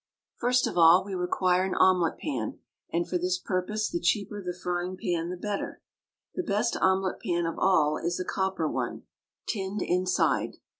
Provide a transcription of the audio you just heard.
First of all, we require an omelet pan, and for this purpose the cheaper the frying pan the better. The best omelet pan of all is a copper one, tinned inside.